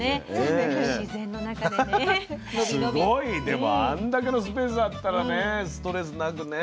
すごいでもあんだけのスペースあったらストレスなくね。